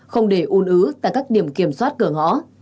không để un ứ tại các điểm kiểm soát cửa ngõ